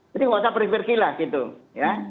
jadi gak usah pergi pergilah gitu ya